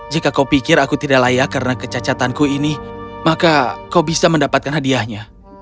jika kau pikir aku tidak layak karena kecacatanku ini maka kau bisa mendapatkan hadiahnya